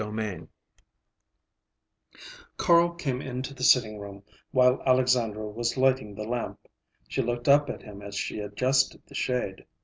XII Carl came into the sitting room while Alexandra was lighting the lamp. She looked up at him as she adjusted the shade.